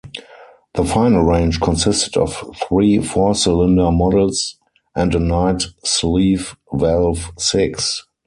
The final range consisted of three four-cylinder models and a Knight sleeve valve six.